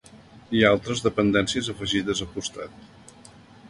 Hi ha altres dependències afegides al costat.